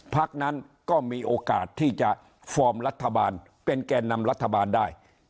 พักนั้นก็มีโอกาสที่จะฟอร์มรัฐบาลเป็นแก่นำรัฐบาลได้